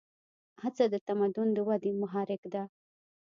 هڅه د تمدن د ودې محرک ده.